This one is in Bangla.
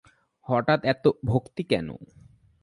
হঠাৎ এত ভক্তি কেন?